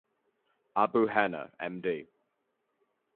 Abu Hena Md.